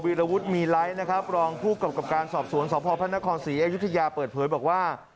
วิลวุฒิมีไลท์รองผู้กรรมการสอบสวนสพคศรีอายุทธิยาเปิดเผยบอกว่า